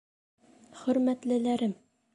— Хөрмәтлеләрем!